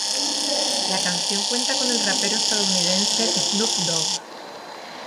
La canción cuenta con el rapero estadounidense Snoop Dogg.